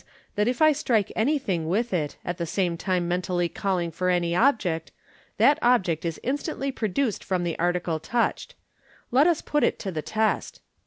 that if I strike anything with it, at the same time mentally calling for any object, that object is instantly produced from the article touched. Let us put it to the test."